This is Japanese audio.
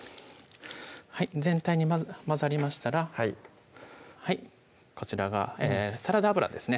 全体に混ざりましたらこちらがサラダ油ですね